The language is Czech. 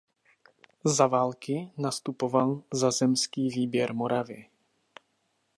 Za války nastupoval za zemský výběr Moravy.